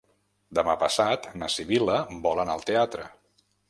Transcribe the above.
Demà passat na Sibil·la vol anar al teatre.